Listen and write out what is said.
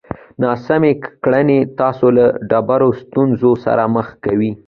ناسمې کړنې تاسو له ډېرو ستونزو سره مخ کوي!